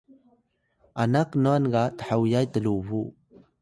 ana knwan ga thoyay tlubuw